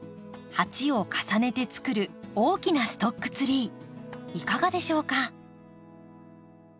鉢を重ねてつくる大きなストックツリーいかがでしょうか？